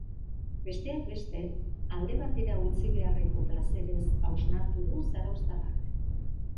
Besteak beste, alde batera utzi beharreko plazerez hausnartu du zarauztarrak.